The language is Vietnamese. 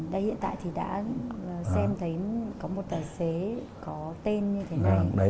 đây hiện tại thì đã xem thấy có một tài xế có tên như thế này